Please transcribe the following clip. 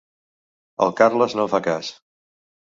El Carles no em fa cas.